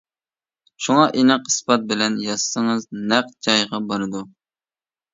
شۇڭا ئېنىق ئىسپات بىلەن يازسىڭىز، نەق جايىغا بارىدۇ.